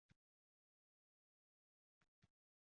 Yavka men kutganimdan yuqori